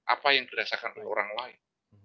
apa yang dirasakan oleh orang lain